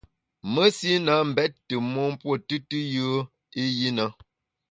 Mesi na mbèt tù mon mpuo tùtù yùe i yi na.